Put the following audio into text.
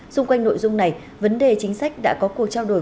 xung quanh nội dung này vấn đề chính sách đã có cuộc trao đổi